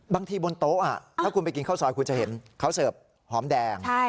บนโต๊ะถ้าคุณไปกินข้าวซอยคุณจะเห็นเขาเสิร์ฟหอมแดง